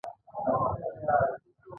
هغه موږ ته يوه مهمه خبره کړې وه.